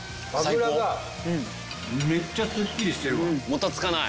もたつかない。